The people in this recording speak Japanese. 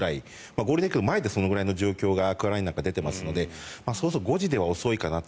ゴールデンウィークの前でそのぐらいの状況がアクアラインなんかは出ていますのでそうすると５時では遅いかなと。